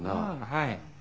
はい。